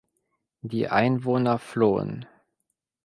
Die Einwohner flohen.